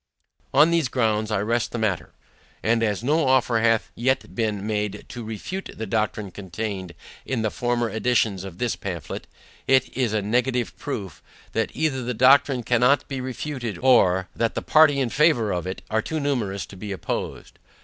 On these grounds I rest the matter. And as no offer hath yet been made to refute the doctrine contained in the former editions of this pamphlet, it is a negative proof, that either the doctrine cannot be refuted, or, that the party in favour of it are too numerous to be opposed.